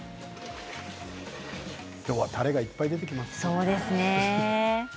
今日はたれがいっぱい出てきますね。